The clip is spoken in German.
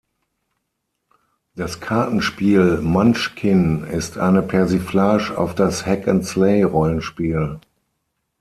Das Kartenspiel Munchkin ist eine Persiflage auf das Hack-&-Slay-Rollenspiel.